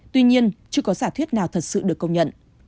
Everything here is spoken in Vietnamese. tuy nhiên chưa có giả thuyết nào thật sự được công nhận